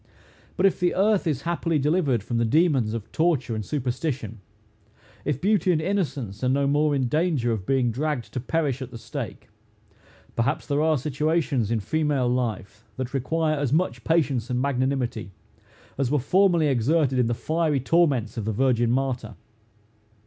But if the earth is happily delivered from the demons of torture and superstition; if beauty and innocence are no more in danger of being dragged to perish at the stake perhaps there are situations, in female life, that require as much patience and magnanimity, as were formerly exerted in the fiery torments of the virgin martyr.